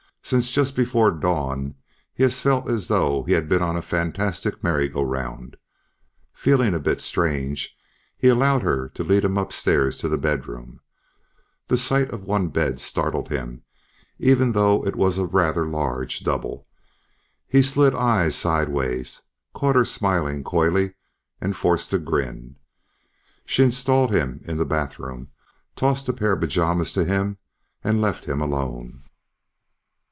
Since just before dawn, he felt as though he had been on a fantastic merry go round. Feeling a bit strange, he allowed her to lead him upstairs to the bedroom. The sight of one bed startled him, even though it was a rather large double. He slid eyes sideways, caught her smiling coyly and forced a grin. She installed him in the bathroom, tossed a pair of pajamas to him and left him alone.